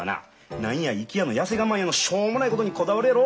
何や粋やの痩せ我慢やのしょうもないことにこだわるやろ？